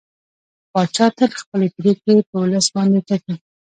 پاچا تل خپلې پرېکړې په ولس باندې تپي.